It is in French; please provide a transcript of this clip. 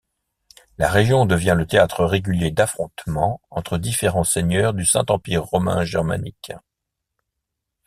La région devient le théâtre régulier d’affrontements entre différents seigneurs du Saint-Empire romain germanique.